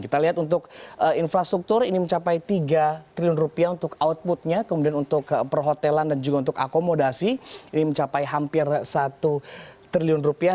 kita lihat untuk infrastruktur ini mencapai tiga triliun rupiah untuk outputnya kemudian untuk perhotelan dan juga untuk akomodasi ini mencapai hampir satu triliun rupiah